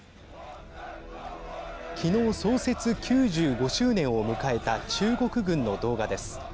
昨日、創設９５周年を迎えた中国軍の動画です。